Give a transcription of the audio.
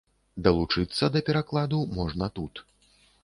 Далучыцца да перакладу можна тут.